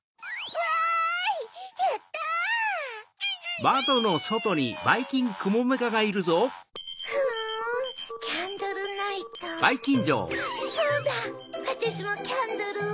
わたしもキャンドルを。